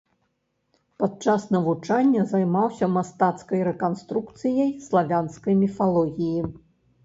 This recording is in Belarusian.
Падчас навучання займаўся мастацкай рэканструкцыяй славянскай міфалогіі.